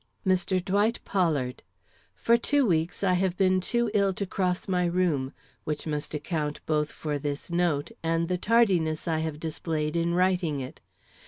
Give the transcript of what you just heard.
MR. DWIGHT POLLARD: For two weeks I have been too ill to cross my room, which must account both for this note and the tardiness I have displayed in writing it.